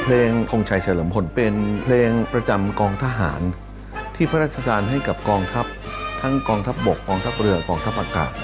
เพลงทงชัยเฉลิมพลเป็นเพลงประจำกองทหารที่พระราชทานให้กับกองทัพทั้งกองทัพบกกองทัพเรือกองทัพอากาศ